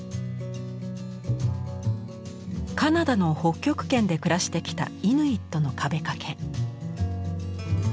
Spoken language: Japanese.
カナダの北極圏で暮らしてきたイヌイットの壁掛け。